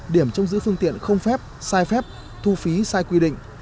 điểm trông giữ phương tiện không phép sai phép thu phí sai quy định